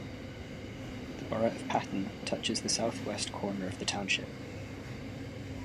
The borough of Patton touches the southwest corner of the township.